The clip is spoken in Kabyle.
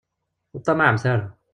Ur ṭṭamaɛemt ara.